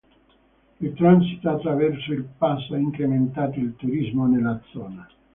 Il transito attraverso il passo ha incrementato il turismo nella zona.